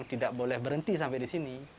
tidak boleh berhenti sampai di sini